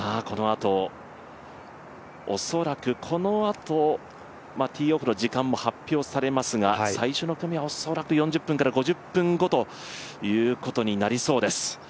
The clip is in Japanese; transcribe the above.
恐らくこのあと、ティーオフの時間も発表されますが最初の組は４０分から５０分後ということになりそうです。